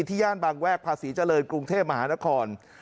ย่านบางแวกภาษีเจริญกรุงเทพมหานคร